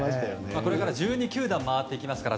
これから全国１２球団回っていきますから。